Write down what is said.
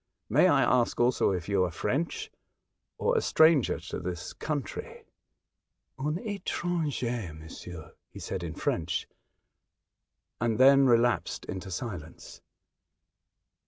May I ask also if you are French, or a stranger to this country ?"'^ Un efcranger, monsieur," he said in French, and then relapsed into silence.